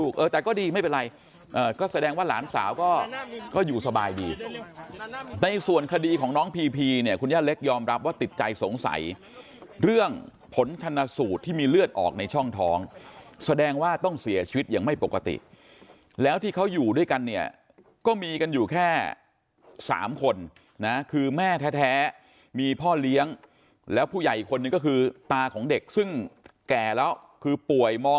เออแต่ก็ดีไม่เป็นไรก็แสดงว่าหลานสาวก็อยู่สบายดีในส่วนคดีของน้องพีพีเนี่ยคุณย่าเล็กยอมรับว่าติดใจสงสัยเรื่องผลชนสูตรที่มีเลือดออกในช่องท้องแสดงว่าต้องเสียชีวิตอย่างไม่ปกติแล้วที่เขาอยู่ด้วยกันเนี่ยก็มีกันอยู่แค่๓คนนะคือแม่แท้มีพ่อเลี้ยงแล้วผู้ใหญ่อีกคนนึงก็คือตาของเด็กซึ่งแก่แล้วคือป่วยมอง